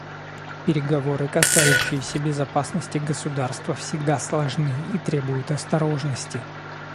Переговоры, касающиеся безопасности государства, всегда сложны и требуют осторожности.